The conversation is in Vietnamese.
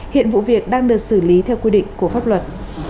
hiện vụ việc đang được xử lý theo quy định của pháp luật